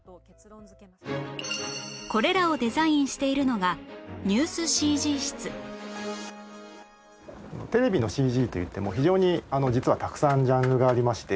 これらをデザインしているのがニュース ＣＧ 室テレビの ＣＧ といっても非常に実はたくさんジャンルがありまして。